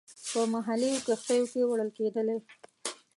په محلي کښتیو کې وړل کېدلې.